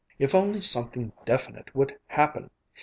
If only something definite would happen!